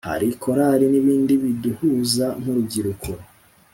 hari korali n’ibindi biduhuza nk’urubyiruko